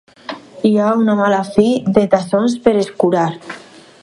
Hi ha una mala fi de tassons per escurar!